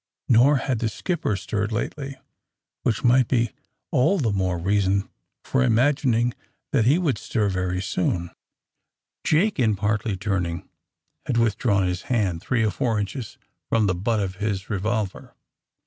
Nor had the skip per stirred lately, which might be all the more 92 THE SUBMARINE , BOYS reason for imagining that he would stir very soon. Jake, in partly turning, had withdrawn his hand three or four inches from the butt of his revolver.